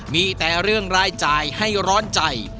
มีแต่เรื่องรายจ่ายให้ร้อนใจ